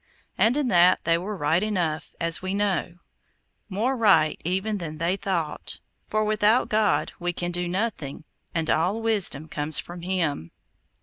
And in that they were right enough, as we know—more right even than they thought; for without God we can do nothing, and all wisdom comes from Him.